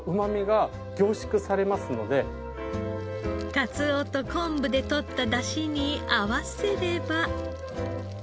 カツオと昆布でとった出汁に合わせれば。